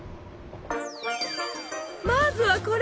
まずはこれ！